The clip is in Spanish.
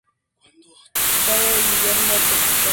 Padre de Guillermo el Conquistador.